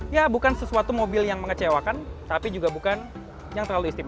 ya bukan sesuatu mobil yang mengecewakan tapi juga bukan yang terlalu istimewa